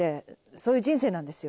そういう人生なんですよ。